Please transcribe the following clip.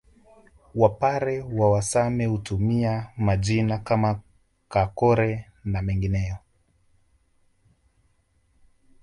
Wapare wa Same hutumia majina kama Kakore na mengineyo